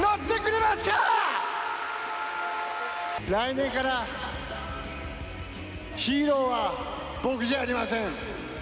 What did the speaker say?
来年からヒーローは僕じゃありません。